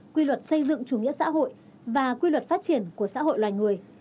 quy luật xây dựng chủ nghĩa xã hội và quy luật phát triển của xã hội loài người